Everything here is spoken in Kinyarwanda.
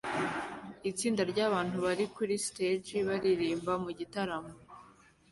Itsinda ryabantu bari kuri stage baririmba mugitaramo